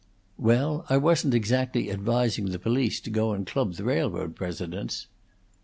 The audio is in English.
"Well, I wasn't exactly advising the police to go and club the railroad presidents."